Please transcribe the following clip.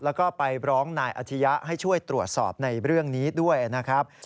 แล้วก็ไปร้องนายอาธิยะให้ช่วยตรวจสอบในเรื่องนี้ด้วยนะครับ